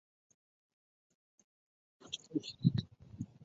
নারী শ্রমিকদের জন্য এ ধরনের সমস্যা খুবই অস্বস্তিকর।